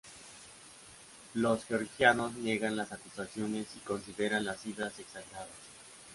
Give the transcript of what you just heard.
Los georgianos niegan las acusaciones y consideran las cifras exageradas.